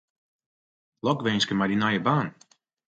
Lokwinske mei dyn nije baan.